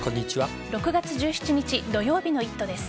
６月１７日土曜日の「イット！」です。